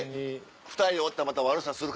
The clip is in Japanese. ２人でおったらまた悪さする。